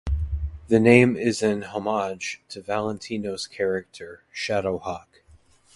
The name is an homage to Valentino's character, ShadowHawk.